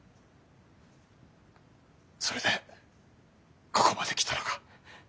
それでここまで来たのか？